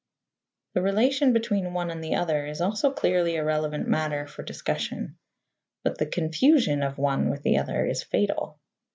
The relation between one and the other is also clearly a relevant matter for discussion. But the confusion of one with the other is fatal.